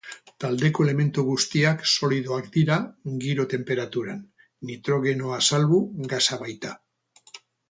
Taldeko elementu guztiak solidoak dira giro-tenperaturan, nitrogenoa salbu, gasa baita.